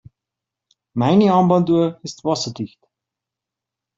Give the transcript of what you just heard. Meine Armbanduhr ist wasserdicht.